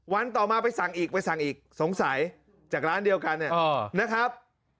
ต่อมาไปสั่งอีกไปสั่งอีกสงสัยจากร้านเดียวกันเนี่ยนะครับ